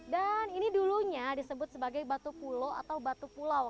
dan ini dulunya disebut sebagai batu pulau atau batu pulau